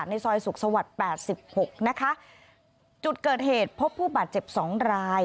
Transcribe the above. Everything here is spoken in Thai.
ในซอยสุขสวัสดิ์๘๖นะคะจุดเกิดเหตุพบผู้บาดเจ็บ๒ราย